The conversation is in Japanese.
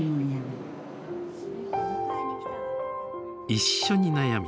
一緒に悩み